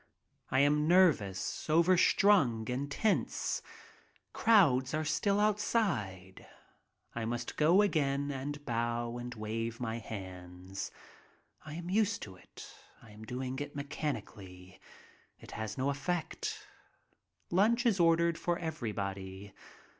I am nervous, overstrung, tense. Crowds are still outside. I must go again and bow and wave my hands. I am used to it, am doing it mechanically; it has no effect. Lunch is ordered for everybody.